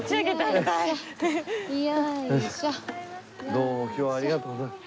どうも今日はありがとうございます。